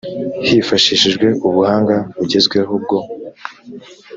hifashishijwe ubuhanga bugezweho bwo